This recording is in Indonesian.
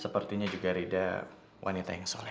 sepertinya juga rida wanita yang solid